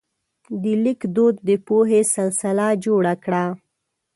د لیک دود د پوهې سلسله جوړه کړه.